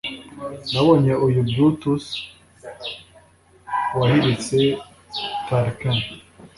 Nabonye uyu Brutus wahiritse Tarquin